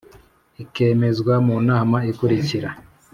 ikemezwa mu nama ikurikira